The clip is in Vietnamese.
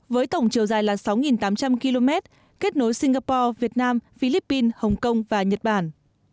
với tổng chiều dài là sáu tám trăm linh km kết nối singapore việt nam philippines hồng kông và nhật bản